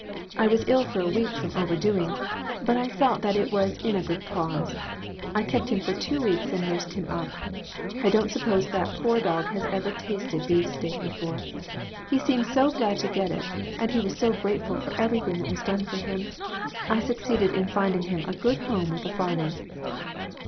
I was ill for a week from overdoing, but I felt that it was in a good cause. I kept him for two weeks and nursed him up. I don't suppose that poor dog had ever tasted beefsteak before. He seemed so glad to get it, and he was so grateful for everything that was done for him. I succeeded in finding him a good home with a farmer."